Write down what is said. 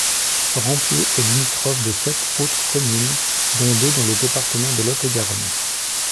Rampieux est limitrophe de sept autres communes, dont deux dans le département de Lot-et-Garonne.